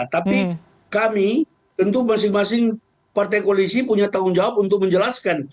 tapi kami tentu masing masing partai koalisi punya tanggung jawab untuk menjelaskan